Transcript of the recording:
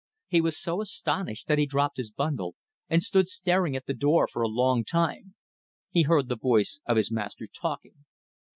He was so astonished that he dropped his bundle and stood staring at the door for a long time. He heard the voice of his master talking.